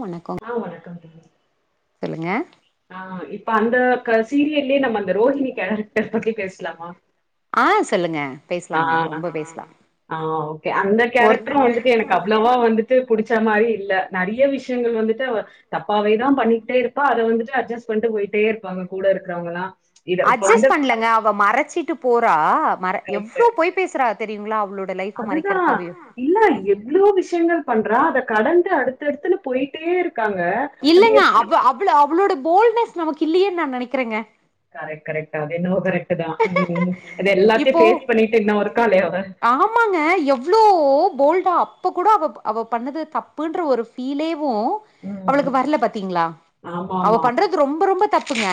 வணக்கோ ஆ வணக்கம் தோழி சொல்லுங்க ஆ இப்ப அந்த க சீரியல்லயே நம்ம அந்த ரோஹணி கேரக்டர் பத்தி பேசலாமா ஆ சொல்லுங்க பேசலாங்க ரொம்ப பேசலா ஆ ஓகே அந்த கேரட்ரு வந்துட்டு எனக்கு அவ்வளவா வந்துட்டு புடிச்ச மாரி இல்ல நெறைய விஷயங்கள் வந்துட்டு அவ தப்பாவே தா பண்ணிட்டே இருப்பா அத வந்துட்டு அட்ஜஸ் பண்ணிட்டு போயிட்டே இருப்பாங்க கூட இருக்குறவங்கல்லா அட்ஜஸ்பண்லங்க அவ மறைச்சிட்டு போற மற எவ்ளோ பொய் பேசுறா தெரியுங்களா அவளோட லைஃப அ மறைக் இல்ல எப் எவ்ளோ விஷயங்கள் பண்றா அத கடந்து அடுத்தடுத்துன்னு போய்ட்டே இருக்காங்க இல்லங்க அவ அவள அவளோட போல்ட்னஸ் நமக்கு இல்லையேன்னு நா நெனைக்கிறேங்க கரெக்ட் கரெக்ட அதுயென்னவோ கரெக்ட்டுதா இது எல்லாத்தையு பேஸ் பண்ணிட்டு இன்னோ இருக்காளே அவ ஆமாங்க எவ்ளோ போல்டா அப்ப கூட அவ அவ பண்ணது தப்புன்ற ஒரு ஃபீலேவு அவளுக்கு வரல பாத்தீங்களா அவ பண்றது ரொம்ப ரொம்ப தப்புங்க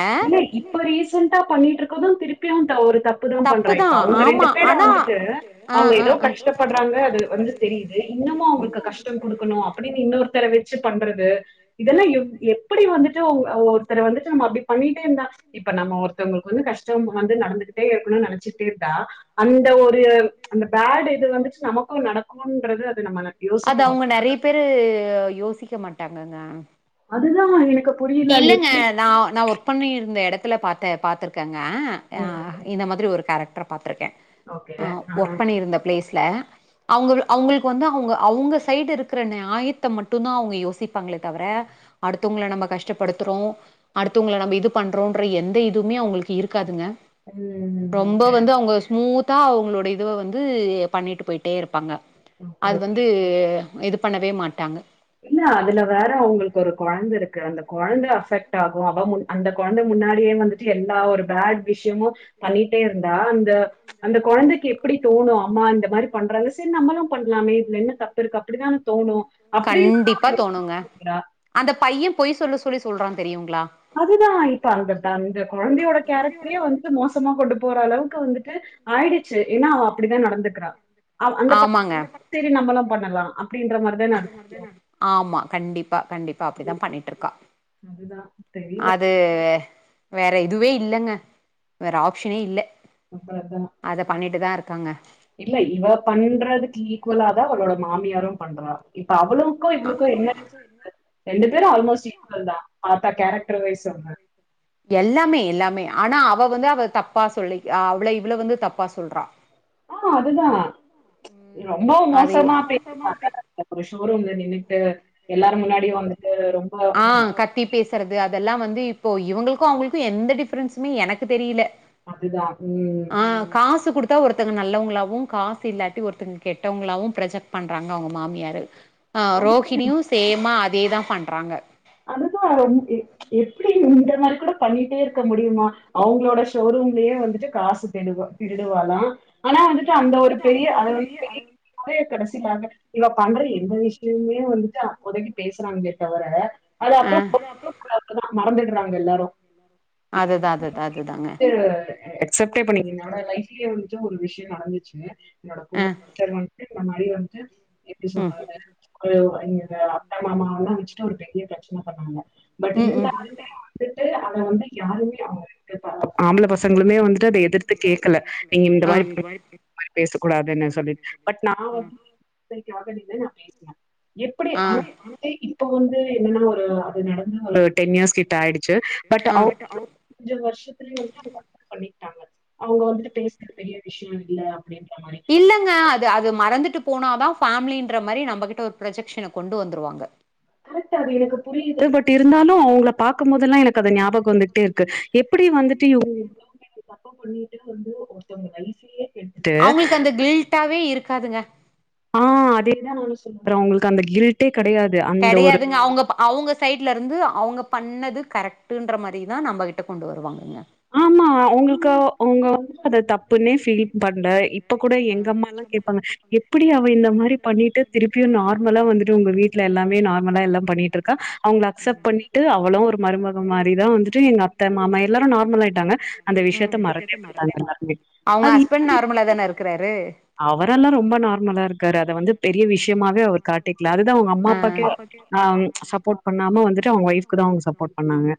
இப்ப ரீசெண்டா பண்ணிட்ருக்கது திருப்பியு தவறு ஒரு தப் ப்புதா பண்றா இப்ப அவங்க ரெண்டு பேர வந்துட்டு அவங்க எதோ கஷ்டப்படுறாங்க அது வந்து தெரியுது இன்னமு அவங்களுக்கு கஷ்டோ குடுக்கணு அப்டின்னு இன்னொருத்தர வச்சு பண்றது இதெல்லா எப் எப்படி வந்துட்டு ஒருத்தர வந்துட்டு நம்ம அப்டி பண்ணிட்டே இருந்தா இப்ப நம்ம ஒருத்தவங்களுக்கு வந்து கஷ்ட வந்து நடந்துகிட்டே இருக்கணுன் நெனைச்சிட்டே இருந்தா அந் இந்த ஒரு அந்த பேடு இது வந்துட்டு நமக்கு நடக்குன்றது அது நம்மள யோசிக்கணுல்லயா ந்து யோசிக்க மாட்டாங்கங்க அதுதாமா எனக்கு இல்லங்க நா நா ஒர்க் பண்ணிருந்த இடத்துல பாத்த பாத்துருக்கேங்க ஆ இந்த மாதிரி ஒரு கேரக்டர பாத்திருக்கே ஆ ஒர்க் பண்ணிருந்த பிளேஸ்ல அவங்க அவங்களுக்கு வந்து அவங்க அவங்க சைடு இருக்கிற நியாயத்த மட்டு தா அவங்க யோசிப்பாங்களே தவர அடுத்தவங்கள நம்ம கஷ் டப்படுத்துறோ அடுத்தவங்கள நம்ம இது பண்றோன்ற எந்த இதுவுமே அவங்களுக்கு இருக்காதுங்க ரொம்ப வந்து அவங்க ஸ்மூத்தா அவங்களோட இதுவ வந்து பண்ணிட் போய்ட்டேருப்பாங்க அது வந்து இது பண்ணவே மாட்டாங்க இல்ல அதுல வேற அவங்களுக்கு ஒரு கொழந்தருக்கு அந்த கொழந்த அபெக்ட் ஆகு அவ முன் அந்த கொழந்த முன்னாடியே வந்துட்டு எல்லா ஒரு பேட் விஷயமு பண்ணிட்டே இருந்தா அந்த அந்த குழந்தைக்கு எப்டி தோணு அம்மா இந்த மாரி பண்றாங்க சரி நம்மளு பண்ணலாமே இதுல என்ன தப்பு இருக்கு அப்டிதான தோணு கண்டிப்பா தோணுங்க அந்த பைய பொய் சொல்ல சொல்லி சொல்றா தெரியுங்ளா அதுதா இப்ப அந்த அந்த கொழந்தையோட கேரக்டரயே வந்து மோசமா கொண்டு போற அளவுக்கு வந்துட்டு ஆய்டுச்சு ஏன்னா அவ அப்டிதா நடந்துக்குறா அந்த தப் சேரி நம்மளு பண்ணலா அப்டின்ற மார்தா ஆமா கண்டிப்பா கண்டிப்பா அப்டிதா பண்ணிட்ருக்கா தெரில அது வேற இதுவே இல்லங்க வேற ஆப்ஷனே இல்ல அப்றதா அத பண்ணிட்டு தா இருக்காங்க இல்ல இவ பண்றதுக்கு ஈக்குவலா தா அவளோட மாமியாரு பண்றா இப்ப அவளுக்கு இவளுக்கு என்ன டிஃப்ரெண்ட்டு ரெண்டு பேரு ஆல்மோஸ்ட் ஈக்வல் தா பாத்தா கேரக்டரு வைஸ் அவங்க எல்லாமே எல்லாமே ஆனா அவ வந்து அவ தப்பா சொல்லிக் அவள இவள வந்து தப்பா சொல்றா ஆ அதுதா இவ ரொம்ப மோசமா பேசுவாள அப்றோ ஷோரூம்ல நின்னுட்டு எல்லாரு முன்னாடியு வந்துட்டு ரொம்ப பேசுறது அதெல்லா வந்து இப்போ இவங்களுக்கு அவங்களுக்கு எந்த டிஃப்ரென்சுமே எனக்கு தெரில ஆ காசு குடுத் தா ஒருத்தவங்க நல்லவங்களாவு காசு இல்லாட்டி ஒருத்தவங்க கெட்டவங்களாவு பிரஜெக்ட் பண்றாங்க அவங்க மாமியாரு ஆ ரோகிணியு சேமா அதேதா பண்றாங்க அது தா [unintelligible] எப்டி இந்த மாரி கூட பண்ணிட்டே இருக்க முடியுமா அவங்ளோட ஷோரூம்லயே வந்துட்டு காசு தேடுவா திருடுவாலா ஆனா வந்துட்டு அந்த ஒரு பெரிய அத வந்து பெரிய வந்து கட்சி [unintelligible] இவ பண்ற எந்த விஷியமே வந்துட்டு அப்போதைக்கு பேசுறாங்களே தவர அது அப்றோ [unintelligible] மறந்துட்றாங் எல்லாரு அதுதா அதுதா அதுதாங்க து எக்செப்ட்டே பண்ணீங்கங்க என்னோட லைப்லயே வந்து ஒரு விஷியோ நடந்துச்சு என்னோட கோ சிஸ்டர் வந்துட்டு இந்த மாரி வந்துட்டு எப்டி சொன்னாங்க [unintelligible] க அத்த மாமாவல்லா வச்ட்டு ஒரு பெரிய பிரச்சன பண்ணாங்க பட் இருந்தாலுமே துட்டு அதல வந்து யாருமே ஆவாது ஆம்பள பசங்ளுமே வந்துட்டு அத எதிர்த்து கேக்கல நீங்க இந்த மாரி பேச கூடாதுன்னு சொல்லி பட் நா வந்த் [unintelligible] நா பேச்ன எப்பிடி [unintelligible] இப்ப வந்து என்னனமோ சோ அது நடந்து ஒரு டென் இயர்ஸ் கிட்ட ஆயிடுச்சி பட் அவ் கொஞ்ச வருஷத்துலயே வந்துட்டு அவுங்க பண்ணிட்டாங்க அவுங்க வந்துட்டு பேசுற பெரிய விஷ்யோ இல்ல அப்டின்ற மாரி இல்லங்க அது அது மறந்துட்டு போனாதா ஃபேமிலின்ற மாரி நம்பகிட்ட ஒரு ப்ரொஜெக்ஷன கொண்டு வந்துருவாங்க கரெட்டு அது எனக்கு புரியுது பட் இருந்தாலு அவுங்கள பாக்கு போதெல்லா எனக்கு அது ஞாபகோ வந்துட் டேர்க்கு எப்டி வந்துட்டு [unintelligible] அவுங்களுக்கு அந்த கில்ட்டாவே இருக்காதுங்க அதேதா நானு சொல்றோ உங்களுக்கு அந்த கில்டே கெடையாத் கெடையாதுங்க அவுங்கப் அவுங்க சைட்ல இருந்து அவுங்க பண்ணது கரெக்ட்டுன்ற மாரி தா நம்பகிட்ட கொண்டு வருவாங்கங்க ஆமா உங்களுக்கு உங்க வந்து அது தப் புனே ஃபீல் பண்ல இப்ப கூட எங்க அம்மாலா கேப்பாங்க எப்புடி அவ இந்த மாரி பண்ணிட்டு திருப்பியு நார்மலா வந்துட்டு உங்க வீட்ல எல்லாமே நார்மலா எல்லா பண்ணிட்ருக்கா அவுங்கள அக்சப் பண்ணி டு அவளு ஒரு மருமக மாரி தா வந்துட்டு எங்க அத்த மாமா எல்லாரு நார்மல் நல்லாயிட்டாங்க அந்த விஷியத்த மறந்தே போய்டாங்க அது மறந்தே அவுங்க ஹஸ்பண் நார்மலா தான இருக்கறாரு அவரெல்லா ரொம்ப நார்மலா இருக்காரு அத வந்து பெரிய விஷியமாவே அவர் காட்டிக்ல அதுதா அவுங்க அம்மா அப்பாக்கே அ சப்போட் பண்ணாம வந்துட்டு அவுங்க ஒய்ப்கு தா அவுங்க சப்போட் பண்ணாங்க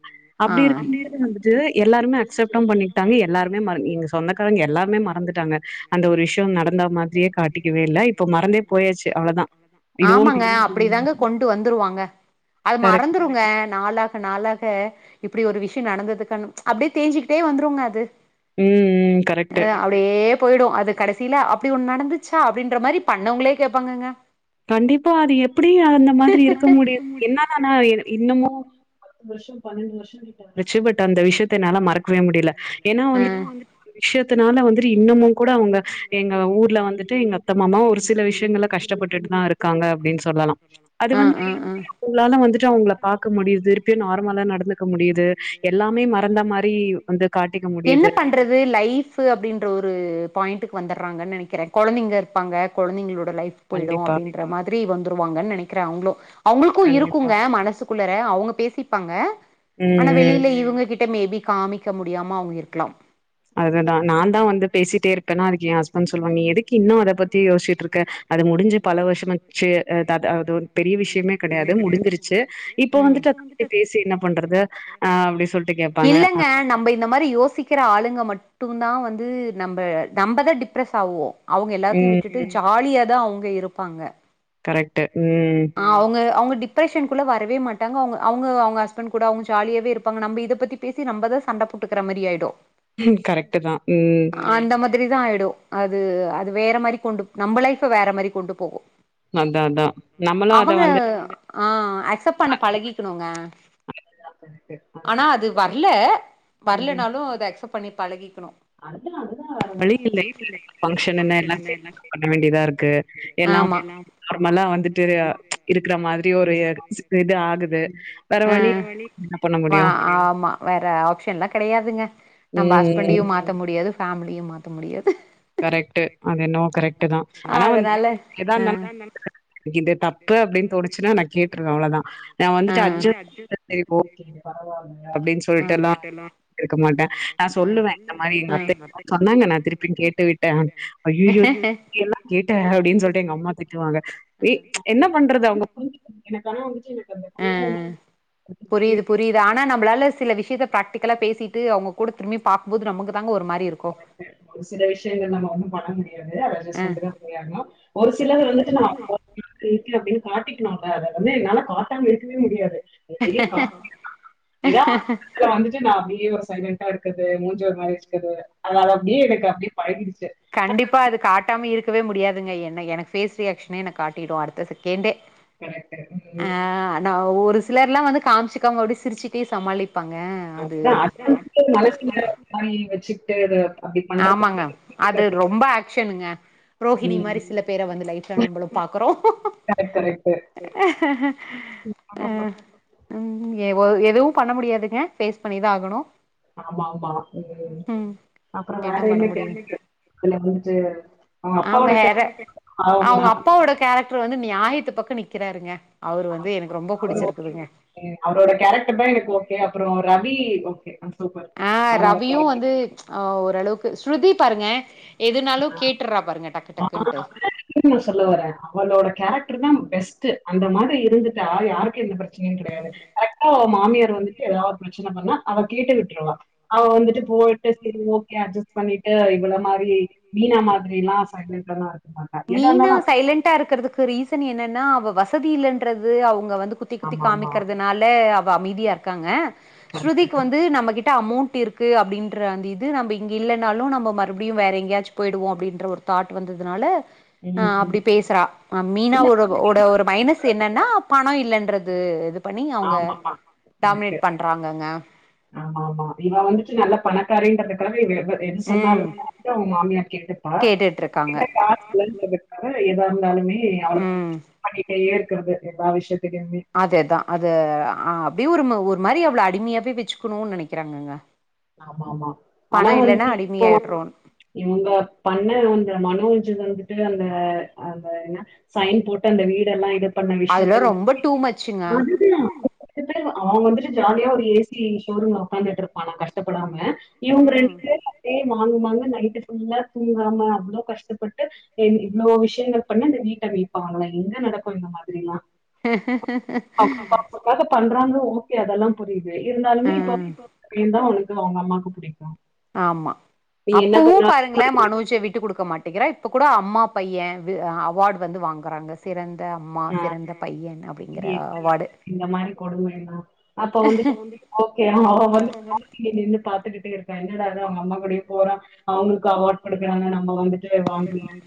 அப்டி இருக்க போது வந்துட் டு எல்லாருமே அக்சப்ட்டு பண்ணிட்டாங்க எல்லாருமே மறு எங்க சொந்தக்காரங்க எல்லாருமே மறந்துட்டாங்க அந்த ஒரு விஷ் டும் நடந்த மாதிரியே காட்டிக்கவே இல்ல இப்ப மறந்தே போயாச்சி அவ்ளோதா இதுவு [unintelligible] கொண்டு வந்துருவாங்க அது மறந்துரு க நாளாக நாளாக இப்டி ஒரு விஷியோ நடந்ததுக்க அப்டியே தேஞ்சிக்கிட்டே வந்துருங்க அது ம் ம் அ அப்டியே போயிடு அது கடைசியில அப்டி ஒண் நடந்துச்சா அப்டின்ற மாரி பண்ணவங்களே கேட்பாங்கங்க கண்டிப்பா அது எப்டி அந்த மாதிரி இருக்க முடியு என்னா ஆனா என்ன இன்னுமு பத்து வருஷோ பண்னண்டு வருஷோ ச்சு பட் அந்த விஷயத்த என்னால மறக்கவே முடியல ஏனா வந்து விஷ்யத்துனால வந்துரி இன்னமு கூட அவுங்க எங்க ஊர்ல வந்துட்டு எங்க அத்த மாமாவு ஒரு சில விஷ்யங்கள கஷ்டப்பட்டு தா இருக்காங்க அப்டின் சொல்லலாம் அது வந்துட்டு உங்களால வந்துட்டு அவுங்கள பாக்க முடியுது து நார்மலா நடந்துக்க முடியுது எல்லாமே மறந்த மாரி [unintelligible] பண்றது லைஃப்பு அப்டின்ற ஒரு பாயிண்ட்டுக்கு வந்தறாங்கன் நெனைக்கிறே கொழந்தைங்க இருப்பாங்க கொழந்தைங்களோட லைஃப் போயிடு அப்டின்ற மாரி வந்துருவாங்கன் நெனைக்கிறே அவுங்களும் அவங்களுக்கு இருக்குங்க மனசுக் குள்ளற அவுங்க பேசிப்பாங்க ஆனா வெளியில இவ் ங்ககிட்ட மேபி காமிக்க முடியாம அவங்க இருக்கலாம் அததுதான் நான் தான் வந்து பேசிட்டே இருப்பேன்னா அதுக்கு என் ஹஸ்பண்ட் சொல்லுவாங்க எதுக்கு இன்னும் அத பத் த்தி யோசிச்சுட்டு இருக்க அது முடிஞ்சு பல வருஷம் ஆச்சு அ த த அதோ பெரிய விஷயமே கிடையாது முடிஞ்சிருச்சு இப்போ வந்துட்டு அதபத்தி பேசி என்ன பண்றது அ அப்டினு சொல்லிட்டு கேட்பாங்க இந்த மாரி யோசிக்கிற ஆளுங்க மட்டும் தான் வந்து நம்ப நம்பதான் டிப்ரெஸ் ஆவோம் அவுங்க எல்லாத்தையும் விட்டுட்டு ஜாலியா தான் அவுங்க இருப்பாங்க கரெக்ட் ம் ஆ அவுங்க அவுங்க டிப்ரெஷன்க்குள்ள வரவே மாட்டாங்க அவுங்க அவுங்க அவுங்க ஹஸ்பண்ட் கூட அவுங்க ஜாலியாவே இருப்பாங்க நம்ம இத பத்தி பேசி நம்ப தான் சண்டை போட்டுக்கற மாரி ஆய்டும் அந்த மாதிரி தான் ஆய்டும் அது அது வேற மாரி கொண்டு நம்ப லைஃப் வேற மாரி கொண்டு போகும் அதான் அதான் அவுங்க ஆ அக்சப்ட் பண்ண பழகிக்கணுங்க ஆனா அது வரல வரலனாலும் அத அக்சப்ட் பண்ணி பழகிக்கணும் வலி இல்ல எனக்கு எல்ல ஃபங்சன்னு என்ன எல்லா தேவையூ பண்ண வேண்டியதா இருக்கு ஆமா ந நார்மலா வந்துட்டு அ இருக்கற மாதிரி ஒரு இது ஆகுது வேற வழி ஆமா வேற ஆப்ஷன்ல்லாம் கிடையாதுங்க நம்ம ஹஸ்பண்டையும் மா மாத்த முடியாது ஃபேமிலியும் மாத்த முடியாது அதனால ஆ இந்த தப்பு அப்டின்னு தோணுச்சுன்னா நான் கேட்ருவ்வேன் அவ்ளோதான் நான் வந்துட்டு அஜெ சரி சரி ஓகே பரவாயில்ல அப்டின்னு சொல்லிட்டு எல்லாம் இருக்க மாட்டேன் நான் சொல்லுவேன் இந்த மாரி எங்க அத்தை சொன்னாங்க நான் திருப்பியு கேட்டுவிட்டேன் அய்யய்யோ எல்லாம் கேட்டேன் அப்டின்னு சொல்லிட்டு எங்க அம்மா திட்டுவாங்க எ என்ன பண்றது அவுங்க பு எனக் ஆனா வந்துச்சு எனக்கு கோவம் வந்துட்டு புரியுது ஆனா நம்மளால சில விஷயத்த பிராக்டிக்கல்லா பேசிட்டு அவுங்க கூட திரும்பி பார்க்கும்போது நமக்கு தாங்க ஒரு மாரி இருக்கும் ஒரு சில விஷயங்கள் நம்ம ஒன்னும் பண்ண முடியாது அத அட்ஜஸ் பண்ட்டு தான் போயாகனும் ஒரு சிலது வந்துட்டு நான் [unintelligible] வீட்ல அப்டின்னு காட்டிக்கணாங்க அத வந்து என்னால காட்டாம இருக்கவே முடியாது எ கா எதா அதா வந்துட்டு நான் அப்டியே ஒரு சைலண்டா இருக்குறது மூஞ்ச ஒரு மாரி வச்சிகுறது அத அத அப்டியே எனக்கு அப்டே பழகிடுச்சு கண்டிப்பா அது காட்டாம இருக்கவே முடியாதுங்க என்ன எனக்கு ஃபேஸ் ரியாக்ஷனே என்ன காட்டிடு அடுத்த செகண்டே கரெக்ட்டு ஆ ந ஒரு சிலர்ல்லாம் வந்து காமிச்சுக்காம்ம அப்டே சிரிச்சிட்டே சமாளிப்பாங்க அதா அது வந்து மனசுல இது மாரி வச்சுட்டு ஆமாங்க அது ரொம்ப ஆக்ஷனுங்க ரோஹினி மாரி சில பேர வந்து லைஃப்ல நம்மளும் பாக்குறோம் கரெக்ட் கரெக்ட்டு அ ம் எவோ எதுவும் பண்ண முடியாதுங்க பேஸ் பண்ணிதான் ஆகணும் ஆமா ஆமா ம் அப்பறம் வேற என்ன கேரக்ட்டு இதுல வந்துட்டு அவுங் அப்பாவோட கேர் ஆமா ன்னு வந்து நியாயத்து பக்கம் நிக்கிறாருங்க அவரு வந்து எனக்கு ரொம்ப பிடிச்சிருக்குதுங்க எ அவரோட கேரக்டர் தான் எனக்கு ஓகே அப்பறோ ரவி ஓகே அ ஆ ரவியு வந்து ஆ ஓரளவுக்கு ஸ்ருதி பாருங்க எதுனாலு கேட்டுறா பாருங்க டக்கு [inaudible] திரும்பவு சொல்ல வரே அவளோட கேரக்ட்ரு தா பெஸ்ட்டு அந்த மாதிரி இருந்துட்டா யாருக்கு எந்த பிர ச்சனயு கெடயாது கரெக்டா அவ மாமியார் வந்து எதாவ்து பிரச்சன பண்ணா அவ கேட்டு விட்ருவா அவ வந்துட்டு போ ட்டு சேரி ஓகே அட்ஜஸ்ட் பண்ணிட்டு இவள மாரி மீனா மாதிரில்லா மீனா சைலன்ட்டாருக்றதுக்கு ரீ சன் என்னன்னா அவ வசதி இல்லன்றது அவுங்க வந்து குத்தி குத்தி காமிக்றது னால அவ அமைதியாருக்காங்க ஸ்ருதிக்கு வந்து நம்மகிட்ட அமௌண்ட் இருக்கு அப்டின்ற ற‌அந்த இது நம்ப இங்க இல்லனாலு நம்ப மறுப்டியு வேற எங்கயாச்சு போய்டுவோ அப்டின்ற ஒரு தாட் வந்ததுனால ஆ அப்டி பேசுறா ஆ மீனா ஓ வோட ஒரு மைனஸ் என்னன்னா பணோ இல்லன்றது இது பண்ணி அவுங்க டாமினேட் பண் றாங்கங்க ஆமா ஆமா இவ வந்துட்டு நல்ல பணக்காரின்றதுக்காக வெவ இவ எது சொன்னாலுமே வந்து அவ மாமியார் கேட்டுப்பா அப்டின்னா காசு [inaudible] உள்ள எதா இருந்தாலுமே அவள பண்ணிட்டே இருக்குறது எல்லா விஷ்யத்திலமே அதேதா அது ஆ அப்டியே ஒரு ஒரு மாரி அவள அடிமயாவே வச்சுக்கணுன் நெனைக்கிறாங்கங்க ஆமா ஆமா ஆனா வந்து இப்போ இவுங்க பண்ணது அந்த மனோஜ் வந்துட்டு அந்த அந்த என்ன சைன் போட்டு அந்த வீடெல்லா இது பண்ண விஷ்யத்துலமே [inaudible] துட்டு அவேன் வந்துட்டு ஜாலியா ஒரு ஏசி ஷோரூம்ல ஒக்காந்துட்ருப்பானா கஷ்டப்படாம இவுங்க ரெண்டு பேரு அப்டியே மாங்கு மாங்குனு நைட்டு ஃபுல்லா தூங்காம அவ்ளோ கஷ்டப்பட்டு என் இவ்ளோ விஷ்யங்கள் பண்ண இந்த வீட்ட விப்பாங்களா எங்க நடக்கு இந்த மாத்ரிலா ஒனக்காக பண்றாங்க ஓகே அதெல்லா புரிது இருந்தாலுமே இப்ப [inaudible] துவ அவுங்க அம்மாக்கு புடிக்கு ஆமா அப்பவு பாருங்களே மனோஜ விட்டு குடுக்க மாட் டிக்கிறா இப்ப கூட அம்மா பையே அவார்டு வந்து வாங்குறாங்க சிறந்த அம்மா சிறந்த பையன் அப்டிங்கிற அவார்டு இந்த மாரி கொடுமயல்லா அப்போ வந்துட்டு ஓகே அவ வந்து ரோஹிணி இப்டி நின்னு பாத்துக்கிட்டு இருக்கா என்னடா இது அவுங்க அம்மா கூடயே போறா அவுங்களுக்கு அவார்ட் குடுக்குறாங்க நம்ம வந்து வாங்கி [inaudible]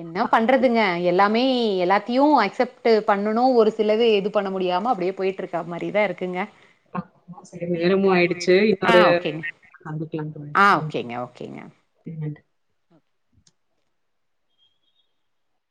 என்ன பண்றதுங்க எல்லா மே எல்லாத்தையு அக்செப்ட்டு பண்ணனு ஒரு சிலது எது பண்ண முடியாம அப்டியே போயிட்ரு க்க மாரி தா இருக்குங்க ஆ ஓகேங்க அந்த டைம்குள்ள ஆ ஓகேங்க ஓகேங்க [inaudible]